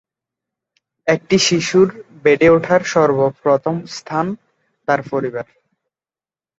একটি শিশুর বেড়ে ওঠার সর্ব প্রথম স্থান তার পরিবার।